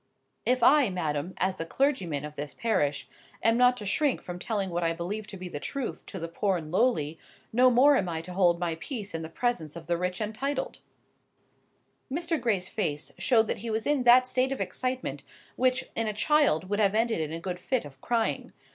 "If I, madam, as the clergyman of this parish, am not to shrink from telling what I believe to be the truth to the poor and lowly, no more am I to hold my peace in the presence of the rich and titled." Mr. Gray's face showed that he was in that state of excitement which in a child would have ended in a good fit of crying.